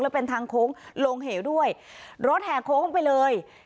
แล้วเป็นทางโค้งลงเหวด้วยรถแห่โค้งไปเลย